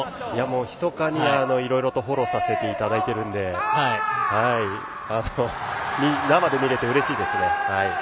ひそかに、いろいろとフォローさせていただいてるんで生で見れてうれしいです。